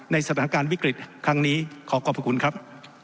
สถานการณ์วิกฤตครั้งนี้ขอขอบพระคุณครับ